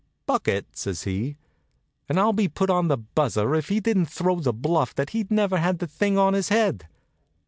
"Bucket?" says he. And I'll be put on the buzzer if he didn't throw the bluff that he'd never had the thing on his head.